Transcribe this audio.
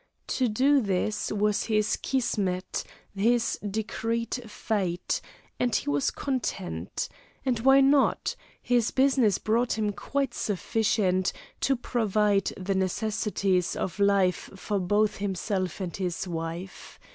To do this was his Kismet, his decreed fate, and he was content and why not? his business brought him quite sufficient to provide the necessaries of life for both himself and his wife.